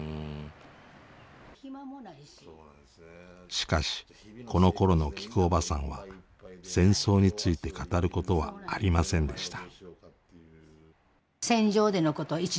しかしこのころのきくおばさんは戦争について語ることはありませんでした。